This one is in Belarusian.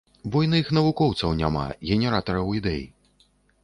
Буйных навукоўцаў няма, генератараў ідэй.